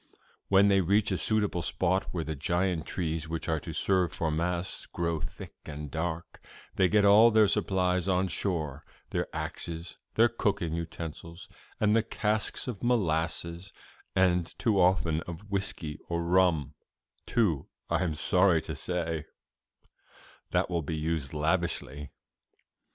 When they reach a suitable spot where the giant trees which are to serve for masts grow thick and dark, they get all their supplies on shore their axes, their cooking utensils and the casks of molasses' and too often of whisky or rum, too, I am sorry to say 'that will be used lavishly.